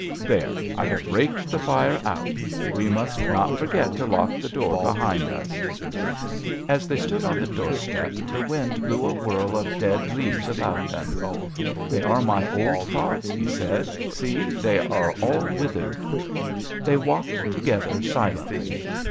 There ! I have raked the fire out. We must not forget to lock the door behind us." JOHN SHERMAN. 37* As they stood on the doorstep the wind blew a whirl of dead leaves about them. " They are my old thoughts," he said ;" see, they are all withered." They walked together silently.